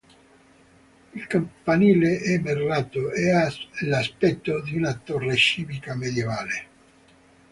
Il campanile è merlato e ha l'aspetto di una torre civica medievale.